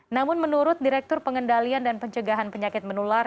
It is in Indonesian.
namun menurut direktur pengendalian dan pencegahan penyakit menular